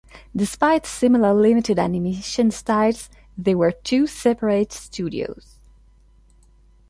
Despite similar limited-animation styles, they were two separate studios.